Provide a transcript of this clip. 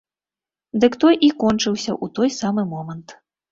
Дык той і кончыўся ў той самы момант.